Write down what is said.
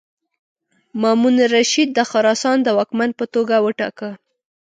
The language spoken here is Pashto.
مامون الرشید د خراسان د واکمن په توګه وټاکه.